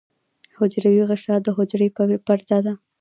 حجروی غشا د حجرې پرده ده